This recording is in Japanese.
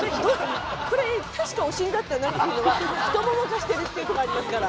これ確かお尻だったなというのが太もも化してるっていうとこありますから。